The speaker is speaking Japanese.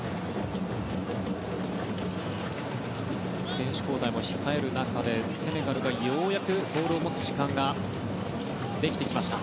選手交代も控える中セネガルがようやくボールを持つ時間ができてきました。